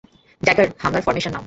Dagger, হামলার formation নাও।